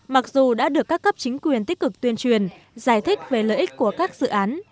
mặc dù đã được các cấp chính quyền tích cực tuyên truyền giải thích về lợi ích của các dự án